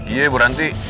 iya bu ranti